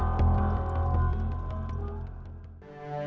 sampai jumpa lagi